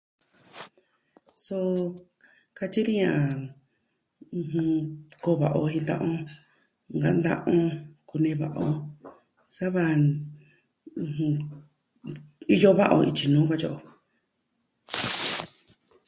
Suu katyi ni a ɨjɨn... koo va'a o jin ta'an o nkanta o kunee va'a o sava... ɨjɨn iyo dayoo ityi nuu katyio.